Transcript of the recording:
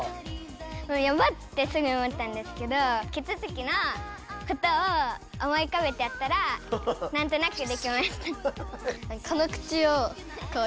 やば！ってすぐ思ったんですけどキツツキのことを思いうかべてやったらなんとなくできました。